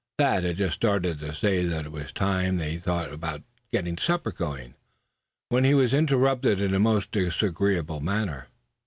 Thad had just started to say that it was time they thought about getting some supper, when he was interrupted in a most disagreeable manner.